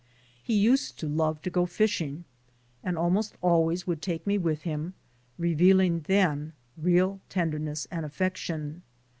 He used to love to go fishing, and almost always would take me with him, revealing then real tenderness and affection.